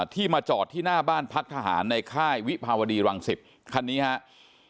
ที่มาจอดที่หน้าบ้านพักทหารในค่ายวิภาวดีรังสิตคันนี้ครับ